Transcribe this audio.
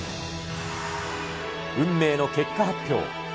運命の結果発表。